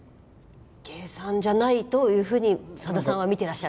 計算じゃないというふうにさださんはみてらっしゃる？